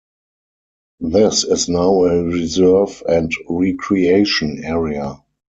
This is now a reserve and recreation area.